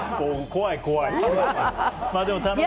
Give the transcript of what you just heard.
怖い、怖い。